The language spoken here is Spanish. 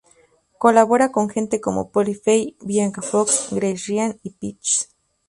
Colabora con gente como Polly Fey, Bianca Fox, Grace Ryan o Peaches.